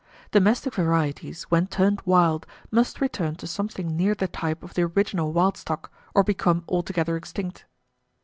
Domestic varieties, when turned wild, must return to something near the type of the original wild stock, or become altogether extinct.